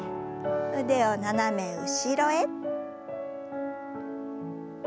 腕を斜め後ろへ。